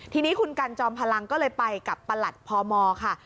ทีนี้คุณกันจอมพลังก็เลยไปกับประหลัดพมค่ะ